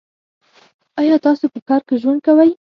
ایا تاسو په ښار کې ژوند کوی؟